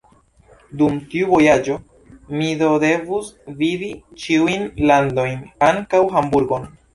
Dum tiu vojaĝo mi do devus vidi ĉiujn landojn, ankaŭ Hamburgon.